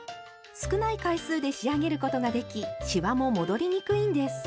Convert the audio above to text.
少ない回数で仕上げることができしわも戻りにくいんです。